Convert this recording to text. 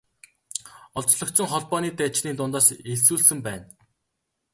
Олзлогдсон холбооны дайчдын дундаас элсүүлсэн байна.